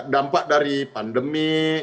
dampak dari pandemi